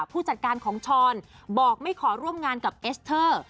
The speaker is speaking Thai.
ผู้จัดการของช้อนบอกไม่ขอร่วมงานกับเอสเตอร์